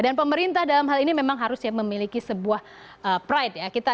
dan pemerintah dalam hal ini memang harus ya memiliki sebuah pride ya